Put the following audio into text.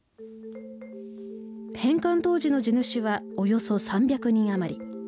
返還当時の地主はおよそ３００人余り。